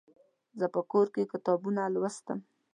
زه په کور کې کتابونه لوستم.